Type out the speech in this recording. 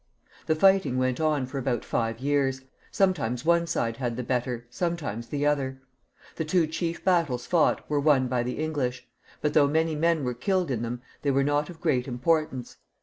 The fighting went on for about five years ; sometimes one side had the better, sometimes the other. The two chief battles fought were won by the English; but though many men were killed in them, they were not of great import ance.